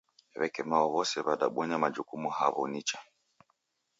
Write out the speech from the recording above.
W'eke mao w'ose w'adabonya majukumu haw'o nicha